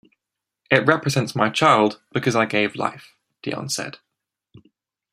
"It represents my child, because I gave life," Dion said.